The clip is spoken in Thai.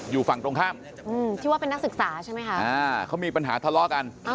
อยู่ฝั่งตรงข้ามที่ว่าเป็นนักศึกษาใช่ไหมคะเขามีปัญหาทะเลาะกัน